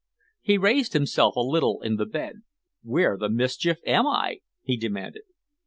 He raised himself a little in the bed. "Where the mischief am I?" he demanded.